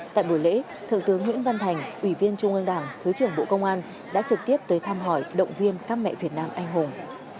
tại buổi lễ thượng tướng nguyễn văn thành ủy viên trung ương đảng thứ trưởng bộ công an đã trực tiếp tới thăm hỏi động viên các mẹ việt nam anh hùng